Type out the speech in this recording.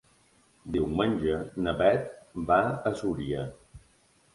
Diumenge na Beth va a Súria.